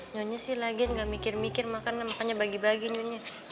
nyonya sih lagi gak mikir mikir makan makanya bagi bagi nyonya